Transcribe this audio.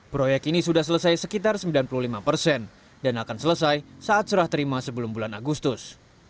proyek ini sudah selesai sekitar sembilan puluh lima persen dan akan selesai saat serah terima sebelum bulan agustus